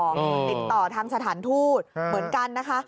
ติดต่อทางสถานทูตเหมือนกันนะคะ